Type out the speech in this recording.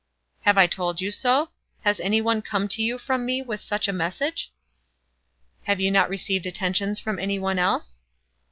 "Have I told you so? Has any one come to you from me with such a message?" "Have you not received attentions from any one else?"